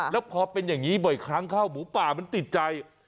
แล้วพอเป็นอย่างนี้บ่อยครั้งเข้าหมูป่ามันติดใจ